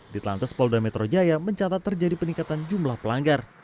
di telantas polda metro jaya mencatat terjadi peningkatan jumlah pelanggar